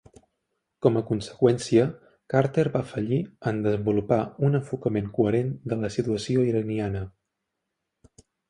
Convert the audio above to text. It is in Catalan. Com a conseqüència, Carter va fallir en desenvolupar un enfocament coherent de la situació iraniana.